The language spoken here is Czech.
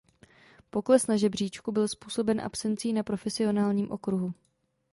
Pokles na žebříčku byl způsoben absencí na profesionálním okruhu.